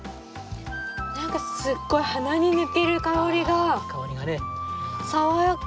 なんかすっごい鼻に抜ける香りが爽やか。